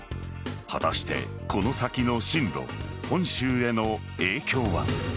果たして、この先の進路本州への影響は。